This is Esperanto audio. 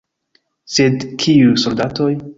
Sed kiuj soldatoj?